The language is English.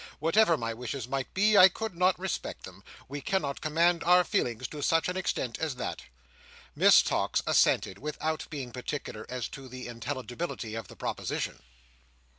Whatever my wishes might be, I could not respect them. We cannot command our feelings to such an extent as that." Miss Tox assented, without being particular as to the intelligibility of the proposition.